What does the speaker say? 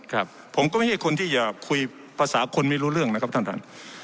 ครับผมก็ไม่ใช่คนที่จะคุยภาษาคนไม่รู้เรื่องนะครับท่านท่าน